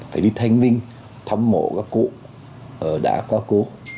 phải đi thanh minh thăm mộ các cụ đã qua cố